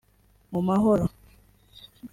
mu mahoro